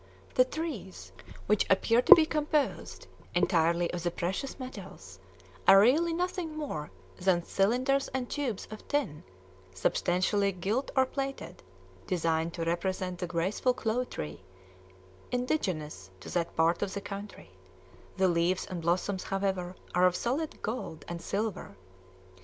The trees, which appear to be composed entirely of the precious metals, are really nothing more than cylinders and tubes of tin, substantially gilt or plated, designed to represent the graceful clove tree indigenous to that part of the country; the leaves and blossoms, however, are of solid gold and silver.